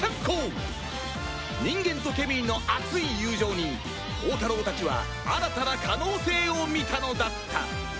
人間とケミーの熱い友情に宝太郎たちは新たな可能性を見たのだった！